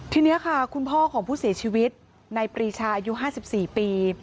ทีนี้ค่ะคุณพ่อของผู้เสียชีวิตในปรีชาอายุ๕๔ปี